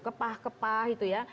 kepah kepah itu ya